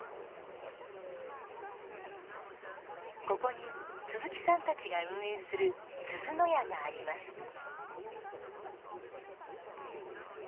ここに鈴木さんたちが運営するすずの家があります。